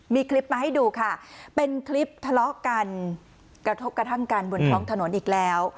มีคลิปมาให้ดูค่ะเป็นคลิปทะเลาะกันกระทบกระทั่งกันบนท้องถนนอีกแล้ว